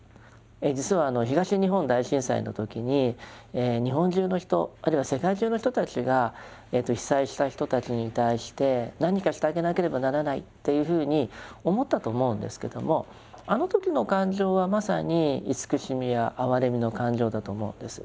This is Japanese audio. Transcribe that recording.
実はあの東日本大震災の時に日本中の人あるいは世界中の人たちが被災した人たちに対して何かしてあげなければならないっていうふうに思ったと思うんですけどもあの時の感情はまさに慈しみや哀れみの感情だと思うんです。